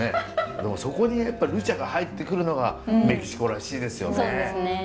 でもそこにルチャが入ってくるのがメキシコらしいですよねえ。